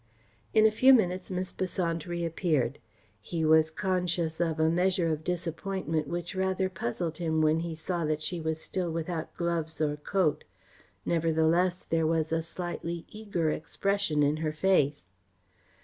In a few minutes Miss Besant reappeared. He was conscious of a measure of disappointment which rather puzzled him when he saw that she was still without gloves or coat. Nevertheless there was a slightly eager expression in her face.